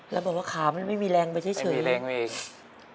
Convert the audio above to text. แล้วบอกว่าขามันไม่มีแรงไปเฉยเลยครับไม่มีแรงไปเองไม่มีแรงไปเอง